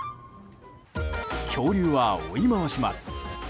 恐竜は追い回します。